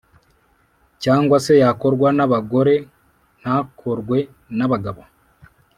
cyangwa se yakorwa n’abagore ntakorwe n’abagabo.